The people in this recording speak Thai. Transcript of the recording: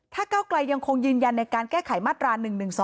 ถ้าเก้าไกลยังคงยืนยันในการแก้ไขมาตรา๑๑๒